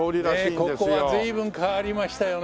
ここは随分変わりましたよね